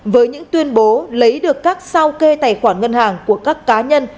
với những tuyên bố lấy được các sao kê tài khoản ngân hàng của các cá nhân